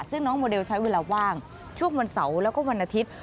ซึ่งน้องโมเดลใช้เวลาว่างช่วงวันเสาร์แล้วก็วันอาทิตย์